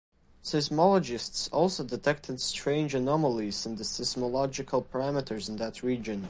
Seismologists also detected strange anomalies in the seismological parameters in that region.